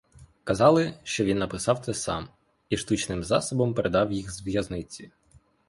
Казали, що він написав це сам і штучним засобом передав їх з в'язниці.